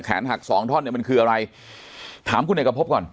หักสองท่อนเนี่ยมันคืออะไรถามคุณเอกพบก่อน